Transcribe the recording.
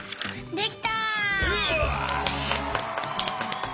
できた！